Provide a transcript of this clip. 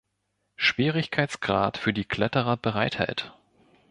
Schwierigkeitsgrad für die Kletterer bereithält.